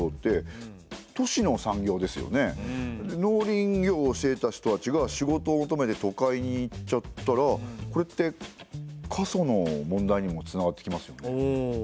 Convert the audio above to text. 農林業をしていた人たちが仕事を求めて都会に行っちゃったらこれって過疎の問題にもつながってきますよね。